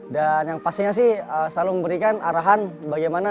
dan yang pastinya sih selalu memberikan arahan bagaimana